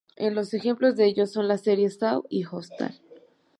Ejemplos de ello son las series "Saw" y "Hostal".